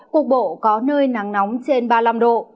cục bộ có nơi nắng nóng trên ba mươi năm độ